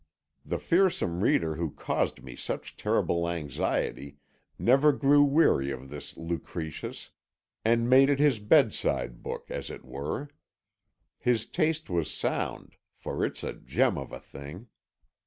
The fearsome reader who caused me such terrible anxiety never grew weary of this Lucretius and made it his bedside book, as it were. His taste was sound, for it's a gem of a thing.